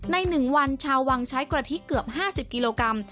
ใน๑วันชาววังใช้กะทิเกือบ๕๐กิโลกรัม